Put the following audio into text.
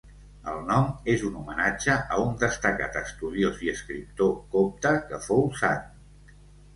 El nom és un homenatge a un destacat estudiós i escriptor copte que fou sant.